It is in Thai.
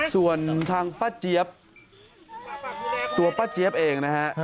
ส่วนทางป้าเจี๊ยบตัวป้าเจี๊ยบเองนะฮะ